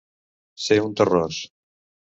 Ser un terròs.